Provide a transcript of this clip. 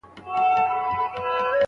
پوهنتون د څېړونکو لپاره کوم اصول لري؟